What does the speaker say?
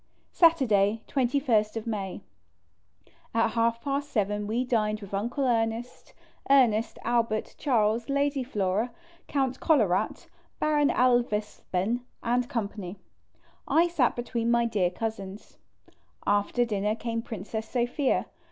Saturday, 21st May, â ... At J past 7 we dined with Uncle Ernest, Ernest, Albert, Charles, Lady Flora, Count Kolowrat, Baron Alvensleben, &c. I sat between my dear Cousins. After dinner came Princess Sophia.